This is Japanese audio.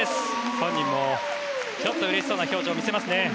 本人もうれしそうな表情を見せますね。